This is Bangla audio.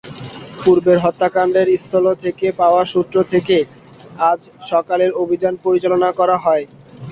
পূর্বের হত্যাকাণ্ডের স্থল থেকে পাওয়া সূত্র থেকে আজ সকালের অভিযান পরিচালনা করা হয়।